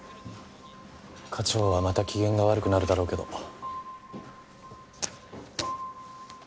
課長はまた機嫌が悪くなるだろうけど。